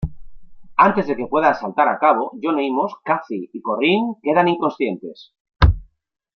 Antes de que pueda asaltar a cabo, John Amos, Cathy y Corrine quedan inconscientes.